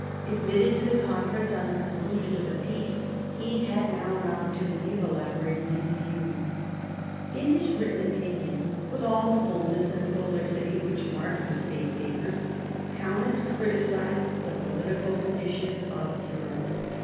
Admitted to the Conference on the conclusion of the peace, he had now an opportunity of elaborating his views. In his written opinion, with all the fulness and pro lixity which marks his State papers, Kaunitz criticised the political conditions of Europe.